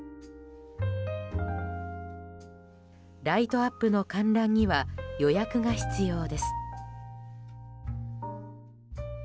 ライトアップの観覧には予約が必要です。